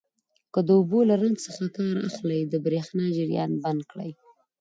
که د اوبو له رنګ څخه کار اخلئ د بریښنا جریان بند کړئ.